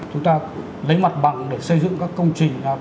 chúng ta lấy mặt bằng để xây dựng các công trình cửa vân vân